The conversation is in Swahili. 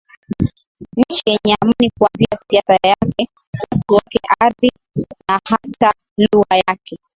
Nchi yenye Amani Kuanzia siasa yake watu wake ardhi na hata lugha yake